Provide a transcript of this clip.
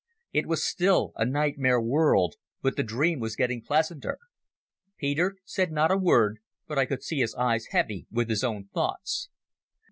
It was still a nightmare world, but the dream was getting pleasanter. Peter said not a word, but I could see his eyes heavy with his own thoughts.